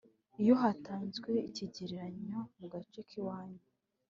Iyo hatanzwe ikigereranyo mu gace kiwacu